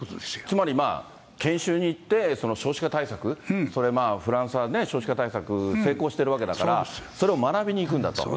つまり、研修に行って、少子化対策、それ、フランスは少子化対策、成功してるわけだから、それを学びに行くんだと。